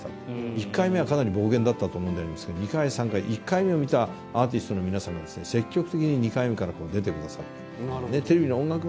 １回目はかなり冒険だったと思うんでありますけど２回３回１回目を見たアーティストの皆さんが積極的に２回目から出てくださる。